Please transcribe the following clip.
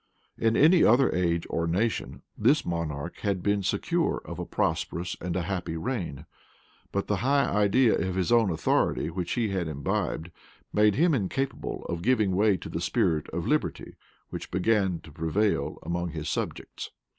In any other age or nation, this monarch had been secure of a prosperous and a happy reign. But the high idea of his own authority which he had imbibed, made him incapable of giving way to the spirit of liberty which began to prevail among his subjects.